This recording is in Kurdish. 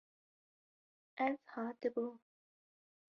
Ez hatibûm.